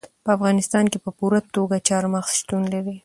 په افغانستان کې په پوره توګه چار مغز شتون لري.